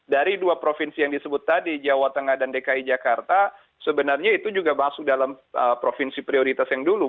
dari dua provinsi yang disebut tadi jawa tengah dan dki jakarta sebenarnya itu juga masuk dalam provinsi prioritas yang dulu